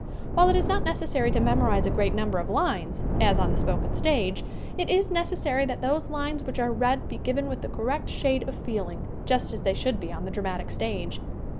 While it is not necessary to memorize a great number of lines, as on the spoken stage, it is necessary that those lines which are read be given with the correct shade of feeling, just as they should be on the dramatic stage.